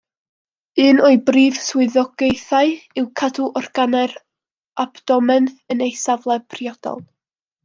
Un o'i brif swyddogaethau yw cadw organau'r abdomen yn eu safle priodol.